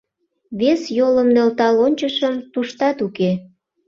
Вес йолым нӧлтал ончышым — туштат уке.